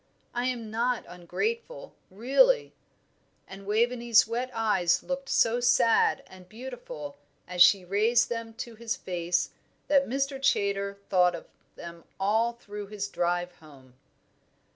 I am not ungrateful, really." And Waveney's wet eyes looked so sad and beautiful as she raised them to his face that Mr. Chaytor thought of them all through his drive home.